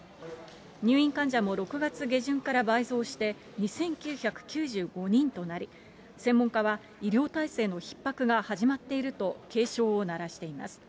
入院患者も６月下旬から倍増して、２９９５人となり、専門家は、医療体制のひっ迫が始まっていると、警鐘を鳴らしています。